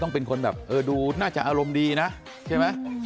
เป็นคนแบบเออดูน่าจะอารมณ์ดีนะใช่ไหม